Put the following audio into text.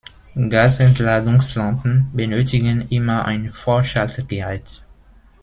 Gasentladungslampen benötigen immer ein Vorschaltgerät.